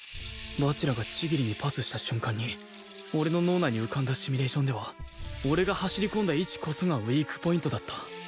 蜂楽が千切にパスした瞬間に俺の脳内に浮かんだシミュレーションでは俺が走り込んだ位置こそがウィークポイントだった